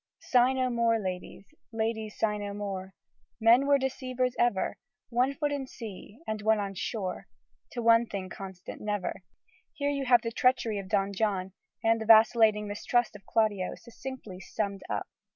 "Sigh no more, ladies, ladies, sigh no more, Men were deceivers ever: One foot on sea, and one on shore, To one thing constant never," here you have the treachery of Don John, and the vacillating mistrust of Claudio, succinctly summed up.